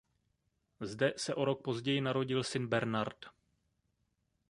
Zde se o rok později narodil syn Bernard.